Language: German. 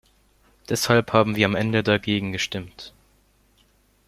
Deshalb haben wir am Ende dagegen gestimmt.